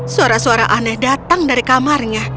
suara suara aneh datang dari kamarnya